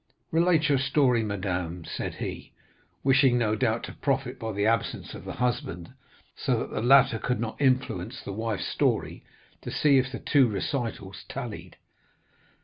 "'Relate your story, madame,' said he, wishing, no doubt, to profit by the absence of the husband, so that the latter could not influence the wife's story, to see if the two recitals tallied.